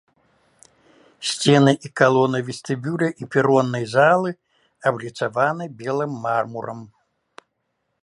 Сцены і калоны вестыбюля і пероннай залы абліцаваны белым мармурам.